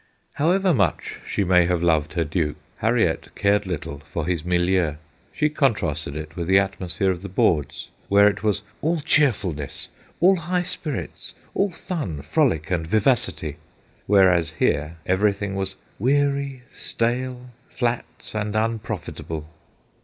However much she may have loved her duke, Harriet cared little for his milieu. She contrasted it with the atmosphere of the boards, where it was ' all cheerfulness, all high spirits, all fun, frolic, and vivacity,' whereas here, everything was * weary, stale, flat, and unprofitable.'